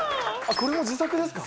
これも自作ですか？